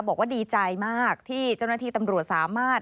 บอกว่าดีใจมากที่เจ้าหน้าที่ตำรวจสามารถ